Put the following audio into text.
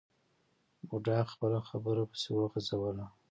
بوډا خپله خبره پسې وغځوله.